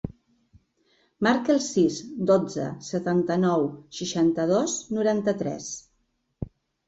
Marca el sis, dotze, setanta-nou, seixanta-dos, noranta-tres.